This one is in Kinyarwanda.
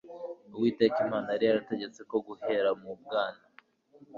Uwiteka Imana yari yarategetse ko guhera mu bwana,